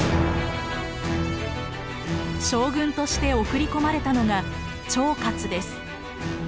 将軍として送り込まれたのが趙括です。